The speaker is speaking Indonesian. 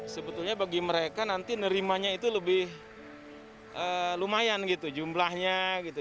sebetulnya bagi mereka nanti nerimanya itu lebih lumayan gitu jumlahnya gitu